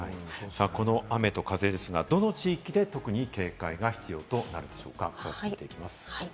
この雨と風、どの地域で特に警戒が必要となるんでしょうか？